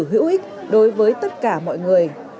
hữu ích đối với tất cả mọi người